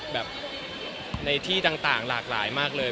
แบบในที่ต่างหลากหลายมากเลย